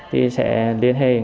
thì sẽ liên hệ